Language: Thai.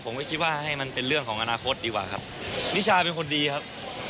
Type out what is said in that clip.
ผมก็คิดว่าให้มันเป็นเรื่องของอนาคตดีกว่าครับนิชาเป็นคนดีครับ